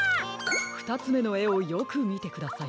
ふたつめのえをよくみてください。